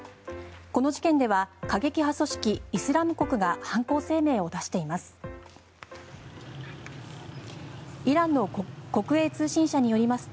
この事件では過激派組織イスラム国が犯行声明を出しています。